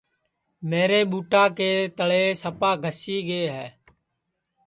میرے ٻوٹا کے تݪے سپا گھسی گے ہے